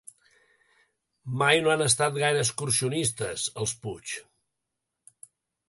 Mai no han estat gaire excursionistes, els Puig.